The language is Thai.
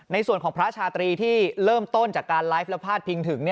ในส่วนของพระชาตรีที่เริ่มต้นจากการไลฟ์และพาดพิงถึง